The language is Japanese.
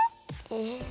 え。